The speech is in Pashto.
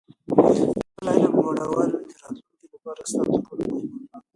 د خپل علم لوړول د راتلونکي لپاره ستا تر ټولو مهمه پانګه ده.